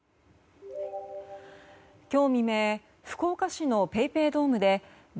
今日未明福岡市のＰａｙＰａｙドームでＢ